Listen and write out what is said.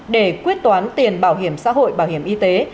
để quyết toán tiền bảo hiểm xã hội bảo hiểm y tế